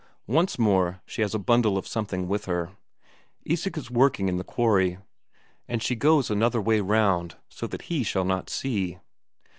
Once more she has a bundle of something with her. Isak is working in the quarry, and she goes another way round, so that he shall not see.